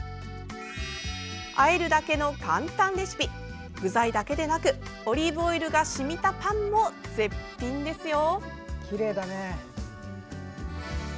あえるだけの簡単レシピ具材だけでなくオリーブオイルが染みたパンも絶品ですよ。